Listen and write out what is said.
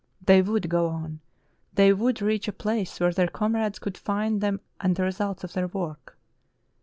They would go on, they would reach a place where their comrades could find them and the results of their work.